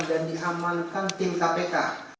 dan diamalkan tim kpk